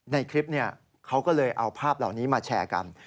ในคลิปเขาก็เลยเอาภาพเหล่านี้มาแชร์กัน